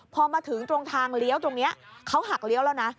พอมาถึงตรงทางเลี้ยวตรงนี้เขาหักเลี้ยวแล้วนะ